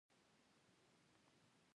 د میرمنو کار د زدکړو فرصتونه رامنځته کوي.